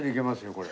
これ。